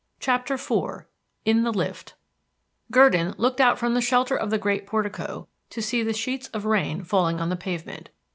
CHAPTER IV IN THE LIFT Gurdon looked out from the shelter of the great portico to see the sheets of rain falling on the pavement.